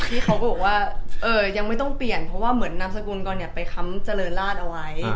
เขาก็บอกว่ายังไม่ต้องเปลี่ยนเพราะว่าเหมือนนามสกุลก่อนไปค้ำเจริญราชเอาไว้